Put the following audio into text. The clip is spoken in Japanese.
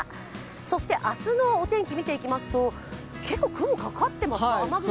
そして明日のお天気みていきますと結構、雲かかってますか？